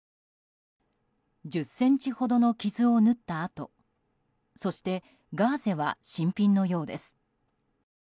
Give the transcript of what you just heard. １０ｃｍほどの傷を縫った痕そしてガーゼは新品のようです。